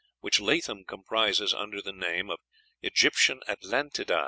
which Latham comprises under the name of Egyptian Atlantidæ.